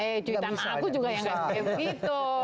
eh cuitan aku juga yang kayak begitu